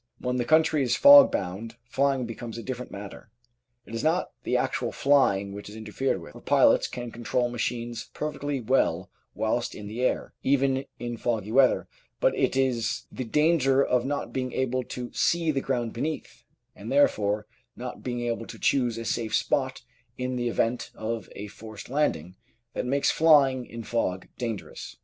When the country is fog bound flying becomes a different matter. It is not the actual flying which is interfered with, for pilots can control machines per fectly well whilst in the air, even in foggy weather, but it is the danger of not being able to see the ground beneath, and there fore not being able to choose a safe spot in the event of a forced landing, that makes flying in fog dangerous.